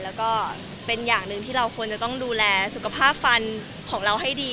แล้วก็เป็นอย่างหนึ่งที่เราควรจะต้องดูแลสุขภาพฟันของเราให้ดี